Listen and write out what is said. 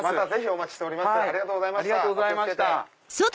お待ちしております。